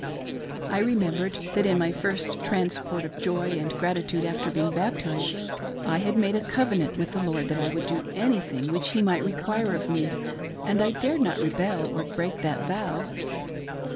I remembered that in my first transport of joy and gratitude after being baptized, I had made a covenant with the Lord that I would do anything which he might require of me, and I dared not rebel or break that vow.